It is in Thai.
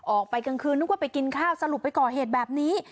ออกไปกลางคืนนึกว่าไปกินข้าวสรุปไปก่อเหตุแบบนี้